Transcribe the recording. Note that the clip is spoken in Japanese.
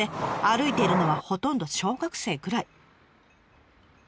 歩いているのはほとんど小学生ぐらい。